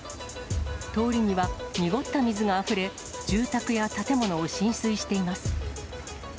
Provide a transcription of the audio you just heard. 通りには濁った水があふれ、住宅や建物を浸水しています。